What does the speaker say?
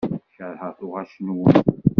Keṛheɣ tuɣac-nwen.